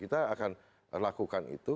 kita akan lakukan itu